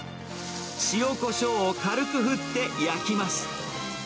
塩、こしょうを軽く振って焼きます。